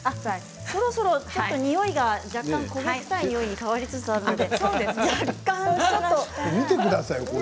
そろそろ、においが若干焦げ臭い感じに変わりつつあるので。